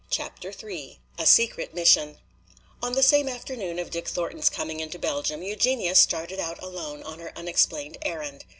CHAPTER III A Secret Mission On the same afternoon of Dick Thornton's coming into Belgium Eugenia started out alone on her unexplained errand.